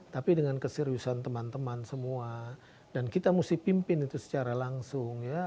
tapi dengan keseriusan teman teman semua dan kita mesti pimpin itu secara langsung ya